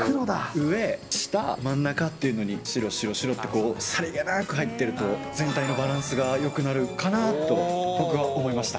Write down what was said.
上、下、真ん中っていうのに、白、白、白ってさりげなく入ってると、全体のバランスがよくなるかなと、僕は思いました。